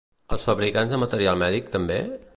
Els fabricants de material mèdic també?